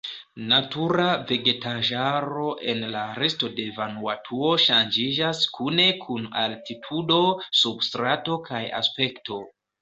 Natura vegetaĵaro en la resto de Vanuatuo ŝanĝiĝas kune kun altitudo, substrato, kaj aspekto.